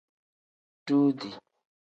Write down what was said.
Duudi.